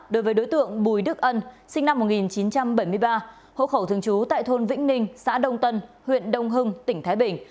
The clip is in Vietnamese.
đối tượng bùi đức ân sinh năm một nghìn chín trăm bảy mươi ba hỗ khẩu thường chú tại thôn vĩnh ninh xã đông tân huyện đông hưng tỉnh thái bình